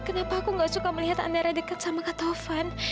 kenapa aku gak suka melihat andera dekat sama kata ofan